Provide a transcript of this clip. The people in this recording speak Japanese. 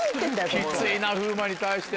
きついな風磨に対して。